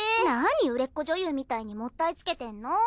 なに売れっ子女優みたいにもったいつけてんの？